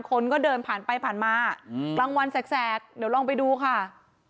คนก็เดินผ่านไปผ่านมากลางวันแสกเดี๋ยวลองไปดูค่ะ